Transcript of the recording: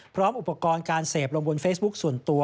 พร้อมอุปกรณ์การเสพลงบนเฟซบุ๊คส่วนตัว